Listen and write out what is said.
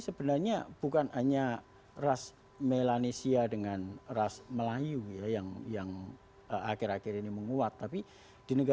sebenarnya bukan hanya ras melanesia dengan ras melayu ya yang yang akhir akhir ini menguat tapi di negara